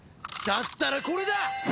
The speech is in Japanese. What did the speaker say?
だったらこれだ！